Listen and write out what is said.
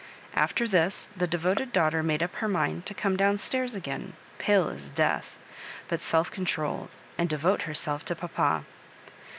After this, the devoted daughter made up her mind to come down stairs again, pale as death, but self con trolled, and devote herself to papa.